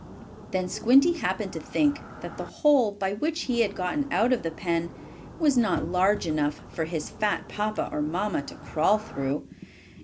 Then Squinty happened to think that the hole, by which he had gotten out of the pen, was not large enough for his fat papa or mamma to crawl through.